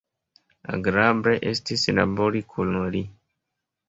Agrable estis labori kun li.